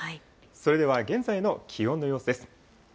それでは現在の気温の様子です。